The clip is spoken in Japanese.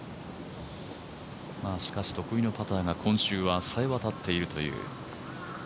しかし、得意のパターが今週はさえ渡っているという。